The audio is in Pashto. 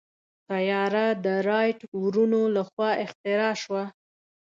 طیاره د رائټ وروڼو لخوا اختراع شوه.